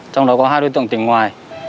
trong đó có hai đối tượng tỉnh ngoài